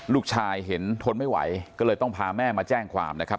ลูกชายเห็นทนไม่ไหวก็เลยต้องพาแม่มาแจ้งความนะครับ